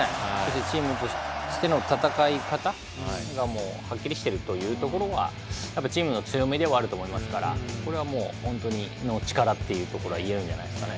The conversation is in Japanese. チームとしての戦い方がはっきりしているというところはチームの強みではあると思いますから、これは本当に力といえるんじゃないですかね。